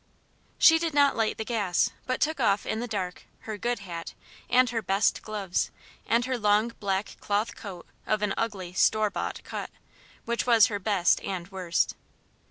She did not light the gas, but took off in the dark her "good" hat and her "best" gloves and her long black cloth coat of an ugly "store bought" cut, which was her best and worst.